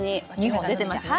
２本出てますね。